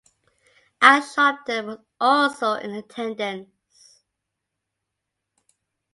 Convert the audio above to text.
Al Sharpton was also in attendance.